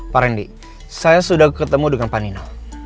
pak randy saya sudah ketemu dengan panina